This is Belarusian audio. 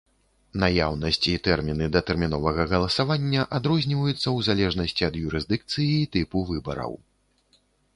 Наяўнасць і тэрміны датэрміновага галасавання адрозніваюцца ў залежнасці ад юрысдыкцыі і тыпу выбараў.